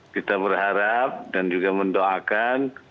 kita berharap dan juga mendoakan